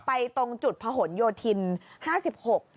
ตรงจุดผนโยธินห้าสิบหก